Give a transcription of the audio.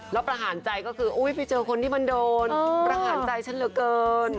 แล้วประหารใจก็คือไปเจอคนที่มันโดนประหารใจฉันเหลือเกิน